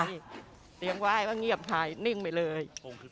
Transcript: เสียงไหว้ว่าเงียบหายนิ่งไปเลย